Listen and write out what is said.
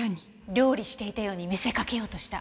料理していたように見せかけようとした。